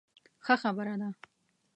ښه خبره ده.